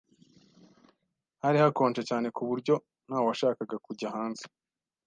Hari hakonje cyane kuburyo ntawashakaga kujya hanze.